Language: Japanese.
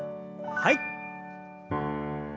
はい。